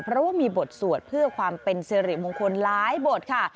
เพราะว่ามีบทสวดเพื่อความเป็นสิริมงคลหลายบทค่ะ